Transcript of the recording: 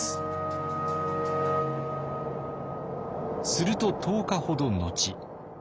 すると１０日ほど後。